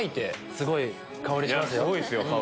すごい香りしますよ。